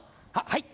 はい。